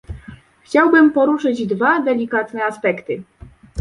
Chciałbym poruszyć dwa delikatne aspekty